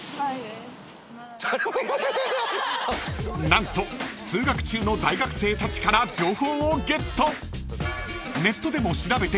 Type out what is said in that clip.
［何と通学中の大学生たちから情報をゲット］